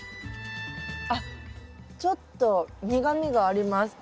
あっちょっと苦みがあります。